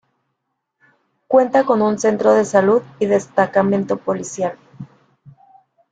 Cuenta con un centro de salud y destacamento policial.